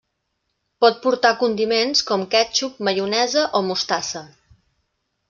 Pot portar condiments com quètxup, maionesa o mostassa.